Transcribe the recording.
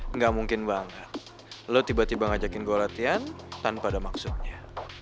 enggak mungkin banget lo tiba tiba ngajakin gue latihan tanpa ada maksudnya